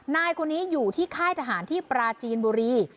นายคนนี้อยู่ที่ค่ายทหารที่ปราจีนบุรี